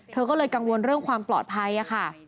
เธอก็เลยกังวลเรื่องความปลอดภัยค่ะ